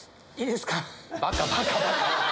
バカバカバカ！